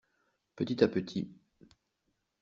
Petit à petit.